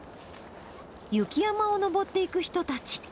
雪山を登っていく人たち。